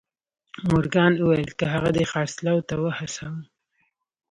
مورګان وويل که هغه دې خرڅلاو ته وهڅاوه.